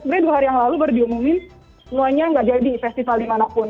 sebenarnya dua hari yang lalu baru diomongin semuanya nggak jadi festival dimanapun